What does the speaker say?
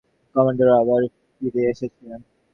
Commander, ওরা আবার ফিরে এসেছে!